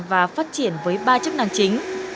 và phát triển với ba chức năng chính